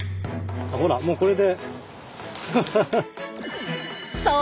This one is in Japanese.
ほらもうこれで。